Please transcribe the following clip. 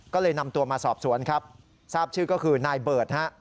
ก็เลยนำตัวมาสอบสวนครับทราบชื่อก็คือนายเบิร์ตฮะ